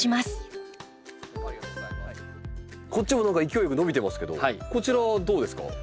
こっちも何か勢いよく伸びてますけどこちらはどうですか？